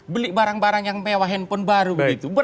beli barang barang yang mewah handphone baru begitu